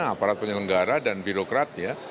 aparat penyelenggara dan birokrat ya